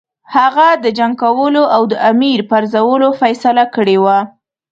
هغه د جنګ کولو او د امیر پرزولو فیصله کړې وه.